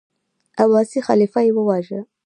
عباسي خلیفه یې وواژه.